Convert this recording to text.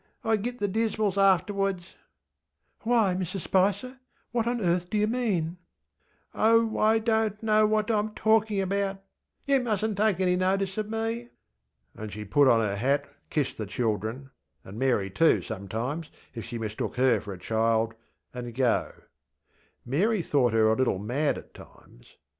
I git the dismals afterwards. ŌĆÖ ŌĆśWhy, Mrs Spicer? What on earth do you mean? ŌĆÖ ŌĆśOh, I donŌĆÖt know what IŌĆÖm talkinŌĆÖ about. You mustnŌĆÖt take any notice of me. ŌĆÖ And sheŌĆÖd put on her hat, kiss the childrenŌĆöand Mary too, sometimes, as if she mistook her for a childŌĆöand go. Mary thought her a little mad at times.